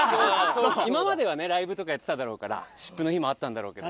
今まではライブとかやってたから湿布の日もあったんだろうけど。